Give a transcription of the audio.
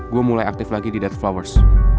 gue mulai aktif lagi di dith flowers